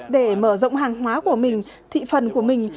để mở rộng hàng hóa của mình thị phần của mình